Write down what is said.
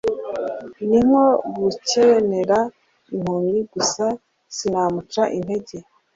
ni nko guhenera impumyi gusa sinamuca intege